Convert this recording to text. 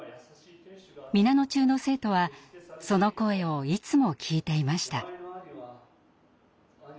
皆野中の生徒はその声をいつも聞いていました。